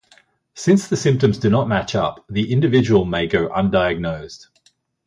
Since the symptoms do not match up, the individual may go undiagnosed.